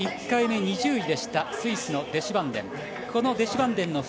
１回目２０位でしたスイスのデシュバンデン。